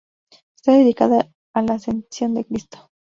Esta dedicada a la Ascensión de Cristo.